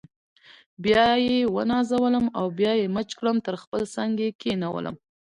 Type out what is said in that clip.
بیا یې ونازولم او بیا یې مچ کړم تر خپل څنګ یې کښېنولم.